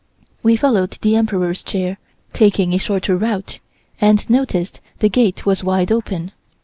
We followed the Emperor's chair, taking a shorter route, and noticed the gate was wide open.